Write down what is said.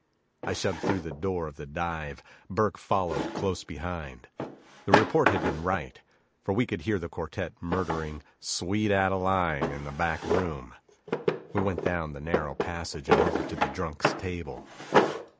I shoved through the door of the dive, Burke following close behind. The report had been right, for we could hear the quartet murdering 'Sweet Adeline' in the back room. We went down the narrow passage and over to the drunks' table.